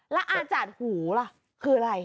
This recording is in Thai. แล้วอาจารย์หูล่ะคืออะไร